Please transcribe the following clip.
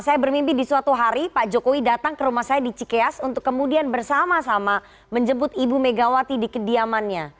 saya bermimpi di suatu hari pak jokowi datang ke rumah saya di cikeas untuk kemudian bersama sama menjemput ibu megawati di kediamannya